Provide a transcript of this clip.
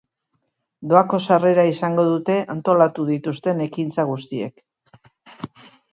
Doako sarrera izango dute antolatu dituzten ekintza guztiek.